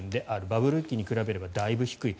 バブル期に比べればだいぶ低い。